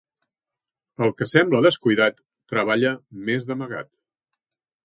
El que sembla descuidat, treballa més d'amagat.